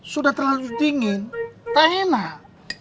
sudah terlalu dingin tak enak